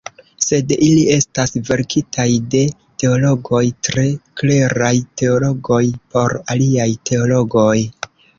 Sed ili estas verkitaj de teologoj, tre kleraj teologoj, por aliaj teologoj.